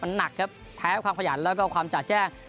มันหนักครับแพ้ความขยันแล้วก็ความจ่าแจ้ง